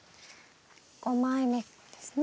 ５枚目ですね？